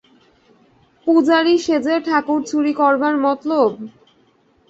পূজারি সেজে ঠাকুর চুরি করবার মতলব?